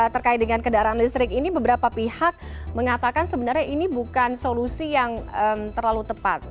terkait dengan kendaraan listrik ini beberapa pihak mengatakan sebenarnya ini bukan solusi yang terlalu tepat